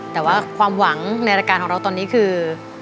แต่ว่าความหวังในรายการของเราตอนนี้คือ